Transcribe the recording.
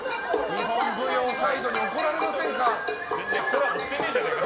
日本舞踊サイドに怒られませんか。